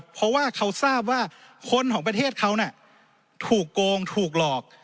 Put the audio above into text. เพราะว่าเขาทราบว่าคนของประเทศเขาน่ะถูกโกงถูกหลอก